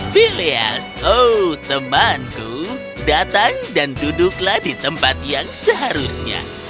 philias oh temanku datang dan duduklah di tempat yang seharusnya